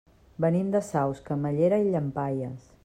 Venim de Saus, Camallera i Llampaies.